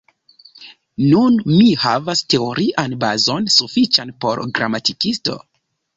Nun mi havas teorian bazon sufiĉan por gramatikisto.